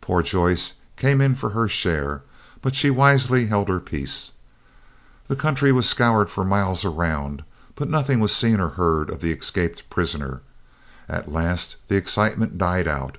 Poor Joyce came in for her share, but she wisely held her peace. The country was scoured for miles around, but nothing was seen or heard of the escaped prisoner, and at last the excitement died out.